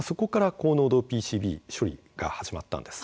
高濃度ＰＣＢ処理が始まったんです。